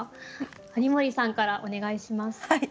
有森さんからお願いします。